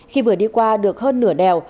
khi vừa đi qua được hơn nửa đèo